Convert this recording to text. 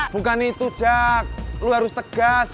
bukan itu jack lu harus tegas